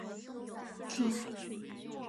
侏儒蚺属而设。